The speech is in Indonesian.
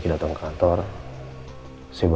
sudah jur clicking dan suaber